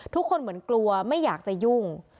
ทุกคนเหมือนกลัวไม่อยากจะยุ่ง